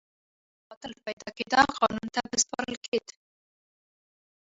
همدارنګه که په کلي کې قاتل پیدا کېده قانون ته به سپارل کېد.